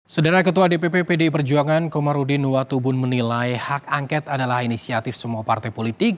saudara ketua dpp pdi perjuangan komarudin watubun menilai hak angket adalah inisiatif semua partai politik